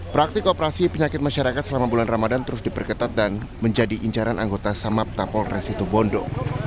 praktik operasi penyakit masyarakat selama bulan ramadan terus diperketat dan menjadi incaran anggota samapta polres situbondo